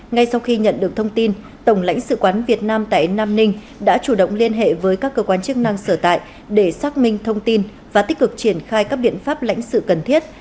ngay sau khi nhận được thông tin tổng lãnh sự quán việt nam tại nam ninh đã chủ động liên hệ với các cơ quan chức năng sở tại để xác minh thông tin và tích cực triển khai các biện pháp lãnh sự cần thiết